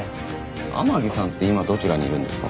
天樹さんって今どちらにいるんですか？